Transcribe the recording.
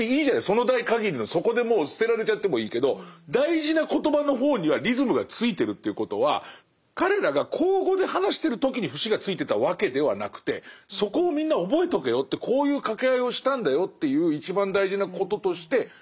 その代限りのそこでもう捨てられちゃってもいいけど大事な言葉の方にはリズムがついてるということは彼らが口語で話してる時に節がついてたわけではなくてそこをみんな覚えとけよってこういう掛け合いをしたんだよっていう一番大事なこととして。